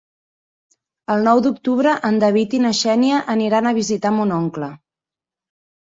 El nou d'octubre en David i na Xènia aniran a visitar mon oncle.